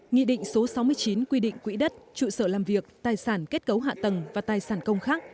nghị định số sáu mươi chín quy định quỹ đất trụ sở làm việc tài sản kết cấu hạ tầng và tài sản công khác